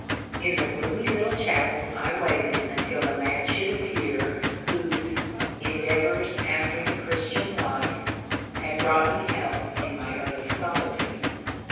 In the gloomy little chapel I waited until the man should appear whose ' Endeavours after the Chris tian Life " had brought me help in my early solitude.